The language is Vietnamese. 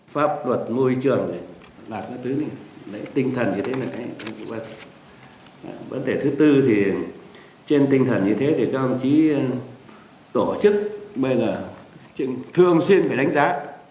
pháp luật môi trường tinh thần như thế này vấn đề thứ tư thì trên tinh thần như thế thì đồng chí tổ chức bây giờ thường xuyên phải đánh giá